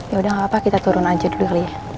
yaudah gapapa kita turun aja dulu kali ya